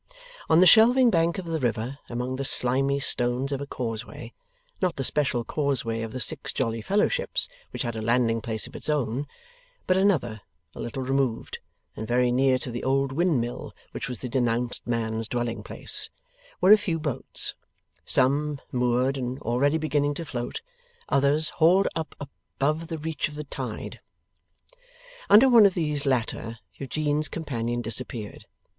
On the shelving bank of the river, among the slimy stones of a causeway not the special causeway of the Six Jolly Fellowships, which had a landing place of its own, but another, a little removed, and very near to the old windmill which was the denounced man's dwelling place were a few boats; some, moored and already beginning to float; others, hauled up above the reach of the tide. Under one of these latter, Eugene's companion disappeared.